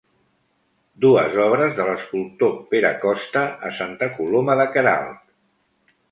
Dues obres de l'escultor Pere Costa a Santa Coloma de Queralt.